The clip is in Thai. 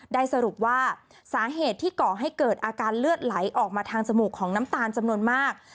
ได้สรุปว่าสาเหตุที่ก่อให้เกิดอาการเลือดไหลออกมาทางจมูกของน้ำตาลจำนวนมาก